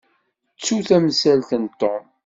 Ttu tamsalt n Tom.